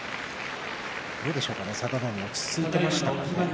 どうでしょうか、佐田の海落ち着いていましたか？